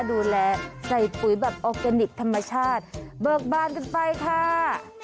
ดูแลใส่ปุ๊ยแบบธรรมชาติเบิกบานกลันไปค่า